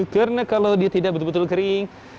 karena kalau dia tidak betul betul kering